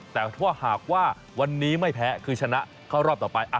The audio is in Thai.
แต่ว่าหากว่าวันนี้ไม่แพ้คือชนะเข้ารอบต่อไป